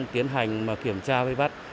tiến hành kiểm tra với bắt